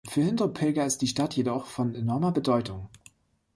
Für Hindu-Pilger ist die Stadt jedoch von enormer Bedeutung.